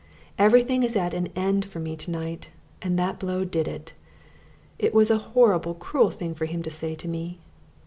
Everything is at an end for me to night, and that blow did it. It was a horrible cruel thing for him to say to me!